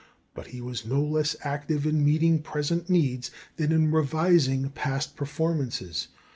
But he was no less active in meeting present needs than in revising past performances.